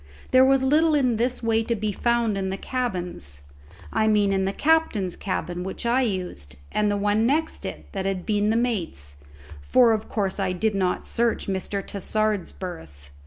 There was little in this way to be found in the cabins: I mean in the captain's cabin which I used, and the one next it that had been the mate's, for of course I did not search Mr. Tassard's berth.